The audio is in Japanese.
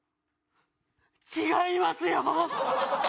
違いますよ。